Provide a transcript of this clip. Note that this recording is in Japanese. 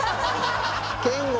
憲剛